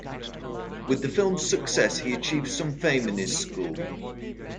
With the film's success, he achieved some fame in his school.